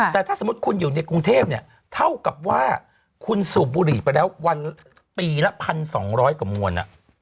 แต่ถ้าสมมุติคุณอยู่ในกรุงเทพเนี่ยเท่ากับว่าคุณสูบบุหรี่ไปแล้ววันปีละ๑๒๐๐กว่ามวล